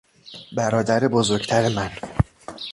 برادر بزرگتر من